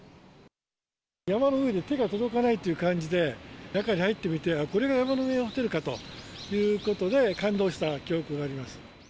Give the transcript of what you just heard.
山の上で手が届かないという感じで、中に入ってみて、これが山の上ホテルかということで、感動した記憶があります。